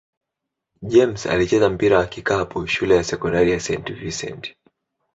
James alicheza mpira wa kikapu shule ya sekondari St. Vincent-St.